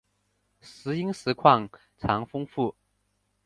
石英石矿藏丰富。